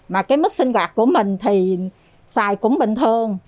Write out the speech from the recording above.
mà cái mức sinh hoạt của mình thì xài cũng bình thường